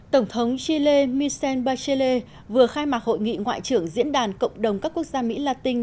tổng thống chile michel bachelet vừa khai mạc hội nghị ngoại trưởng diễn đàn cộng đồng các quốc gia mỹ latin